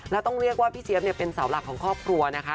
แล้วต้องเรียกว่าพี่เจี๊ยบเป็นเสาหลักของครอบครัวนะคะ